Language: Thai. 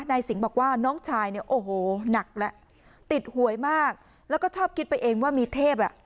สิงห์บอกว่าน้องชายเนี่ยโอ้โหหนักแล้วติดหวยมากแล้วก็ชอบคิดไปเองว่ามีเทพอ่ะ